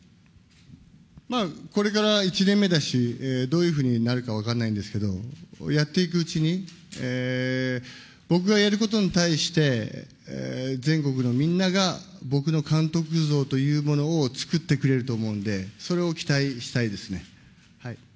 まあ、これから１年目だし、どういうふうになるか分かんないんですけど、やっていくうちに、僕がやることに対して、全国のみんなが、僕の監督像というものを作ってくれると思うんで、それを期待したいですね。